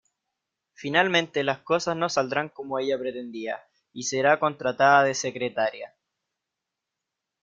Finalmente las cosas no saldrán como ella pretendía y será contratada de secretaria.